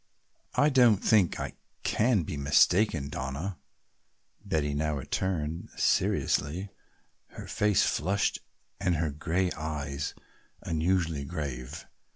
"I don't think I can be mistaken, Donna," Betty now returned seriously, her face flushed and her gray eyes unusually grave.